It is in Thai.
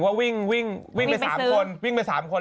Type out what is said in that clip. วิ่งใช่วิ่ง๓คน